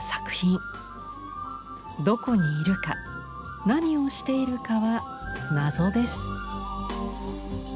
どこにいるか何をしているかは謎です。